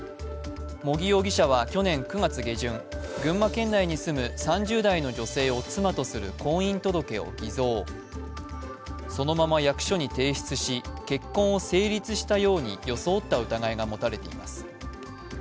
茂木容疑者は去年９月下旬群馬県内に住む３０代の女性を妻とする婚姻届を偽造、そのまま役所に提出し結婚を成立したように装った疑いが持たれています。